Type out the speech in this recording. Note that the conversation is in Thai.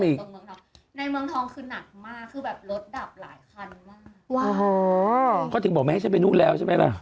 มันถึงมาช้าแต่ว่ารถเก่งที่แบบดับ